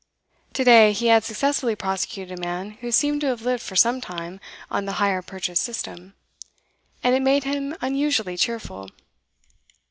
To day he had successfully prosecuted a man who seemed to have lived for some time on the hire purchase system, and it made him unusually cheerful.